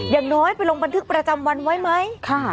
อย่างน้อยไปโรงพันธุ์ทึกประจำวันไว้ไหมค่ะ